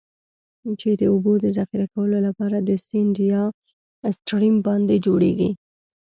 چې د اوبو د ذخیره کولو لپاره د سیند یا Stream باندی جوړیږي.